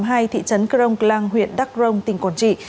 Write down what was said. thị trấn kronklang huyện đắc rông tỉnh quản trị